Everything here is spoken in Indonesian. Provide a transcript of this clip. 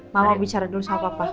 mau bicara dulu sama papa